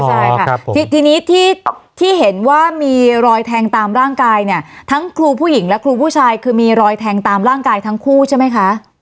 ใช่ค่ะทีนี้ที่เห็นว่ามีรอยแทงตามร่างกายเนี่ยทั้งครูผู้หญิงและครูผู้ชายคือมีรอยแทงตามร่างกายทั้งคู่ใช่ไหมคะ